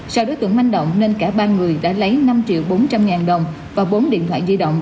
sau đối tượng manh động nên cả ba người đã lấy năm triệu bốn trăm linh ngàn đồng